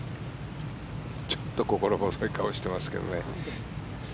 ちょっと心細い顔をしていますけどね。